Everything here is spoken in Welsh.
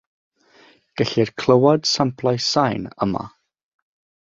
Gellir clywed samplau sain yma.